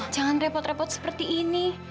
jangan repot repot seperti ini